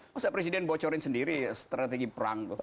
masa presiden bocorin sendiri strategi perang